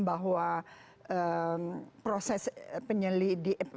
bahwa proses penyelidikan